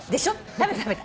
食べた食べた。